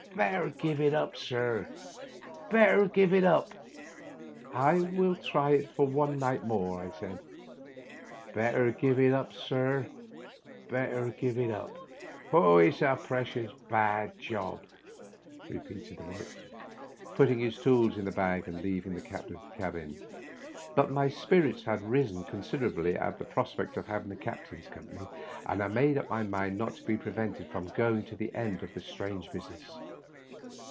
Better give it up, sir — better give it up !"" I will try it for one night more," I said. " Better give it up, sir — ^better give it up 1 It's a precious bad job," repeated the workman, putting his tools in his bag and leaving the cabin. But my spirits had risen considerably at the prospect of having the captain's company, and I made up my mind not to be prevented from going to the end of the strange business.